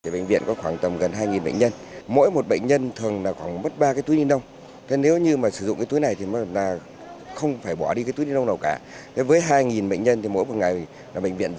bệnh viện hữu nghị việt tiệp quyết định không đưa vào danh mục đ creative